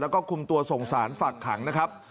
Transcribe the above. แล้วก็คุมตัวส่งสารฝากขังนะครับ